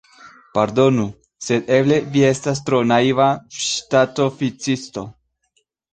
Pardonu, sed eble vi estas tro naiva ŝtatoficisto!